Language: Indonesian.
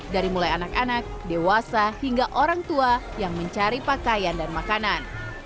dari mulai anak anak dewasa hingga orang tua yang mencari pakaian dan makanan